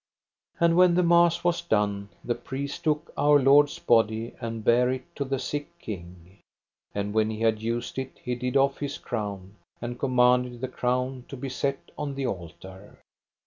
And when the mass was done the priest took Our Lord's body and bare it to the sick king. And when he had used it he did off his crown, and commanded the crown to be set on the altar.